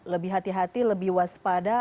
lebih hati hati lebih waspada